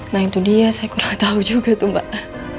nah itu dia saya kurang tahu juga tuh mbak